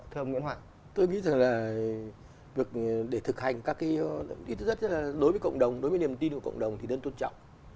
tôi nghĩ rằng là việc để thực hành các cái đối với cộng đồng đối với niềm tin của cộng đồng thì nên tôn trọng